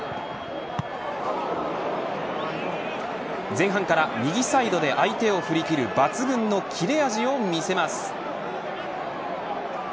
前半から右サイドで相手を振り切る抜群の切れ味を見せます。